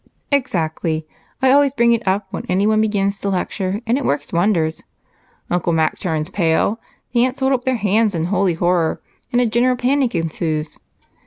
"Exactly. I always bring it up when anyone begins to lecture and it works wonders. Uncle Mac turns pale, the aunts hold up their hands in holy horror, and a general panic ensues.